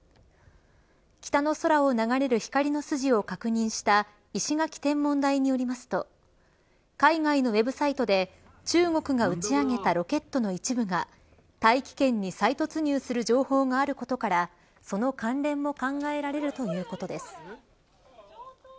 北の空を流れる光の筋を確認した石垣天文台によりますと海外のウェブサイトで中国が打ち上げたロケットの一部が大気圏に再突入する情報があることからその関連も考えられるということです。